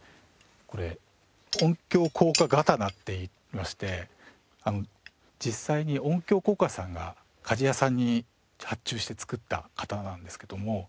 これ音響効果刀といいまして実際に音響効果さんが鍛冶屋さんに発注して作った刀なんですけども。